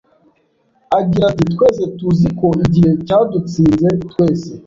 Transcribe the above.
Agira ati Twese tuzi ko igihe cyadutsinze twese